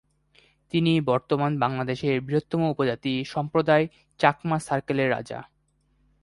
তিনি বর্তমান বাংলাদেশের বৃহত্তম উপজাতি সম্প্রদায় চাকমা সার্কেলের রাজা।